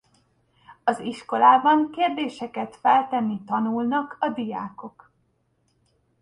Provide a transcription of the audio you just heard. Az iskolában kérdéseket feltenni tanulnak a diákok.